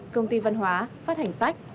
công ty văn hóa phát hành sách